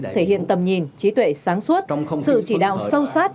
thể hiện tầm nhìn trí tuệ sáng suốt sự chỉ đạo sâu sát